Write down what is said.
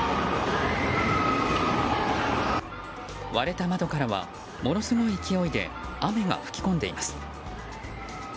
割れた窓からはものすごい勢いで雨が吹き込んでいます。